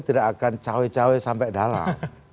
tidak akan cawe cawe sampai dalam